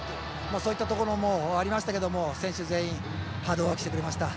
そういったところもありましたが選手全員ハードワークしてくれました。